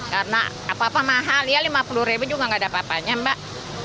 karena apa apa mahal ya rp lima puluh juga nggak ada apa apanya mbak